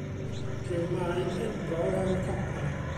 Ceir maen enfawr ar y copa.